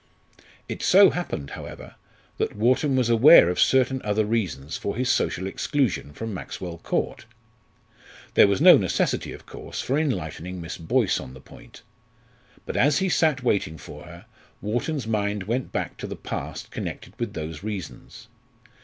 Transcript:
It so happened, however, that Wharton was aware of certain other reasons for his social exclusion from Maxwell Court. There was no necessity, of course, for enlightening Miss Boyce on the point. But as he sat waiting for her, Wharton's mind went back to the past connected with those reasons.